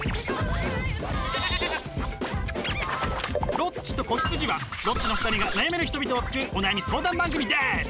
「ロッチと子羊」はロッチの２人が悩める人々を救うお悩み相談番組です！